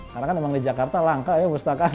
karena kan memang di jakarta langka ya perpustakaan